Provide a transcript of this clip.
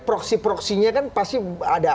proksi proksinya kan pasti ada